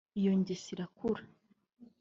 iyo ngeso irakura